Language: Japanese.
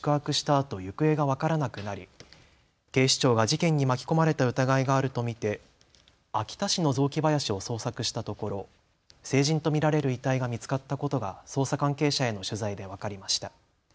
あと行方が分からなくなり警視庁が事件に巻き込まれた疑いがあると見て秋田市の雑木林を捜索したところ、成人と見られる遺体が見つかったことが捜査関係者への取材で分かりました。